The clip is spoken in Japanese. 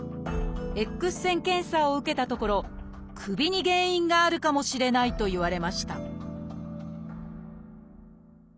Ｘ線検査を受けたところ首に原因があるかもしれないと言われました